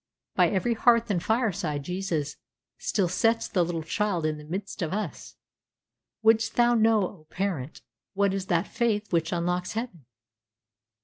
By every hearth and fireside Jesus still sets the little child in the midst of us. Wouldst thou know, O parent, what is that faith which unlocks heaven?